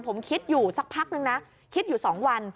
ผมคิดอยู่สักพักนึงนะคิดอยู่๒วัน